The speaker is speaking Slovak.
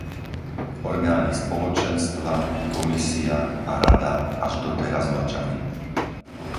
Orgány Spoločenstva, Komisia a Rada, až doteraz mlčali.